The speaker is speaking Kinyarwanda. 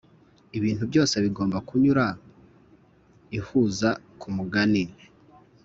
ibintu byose bigomba kunyura ihuza kumugani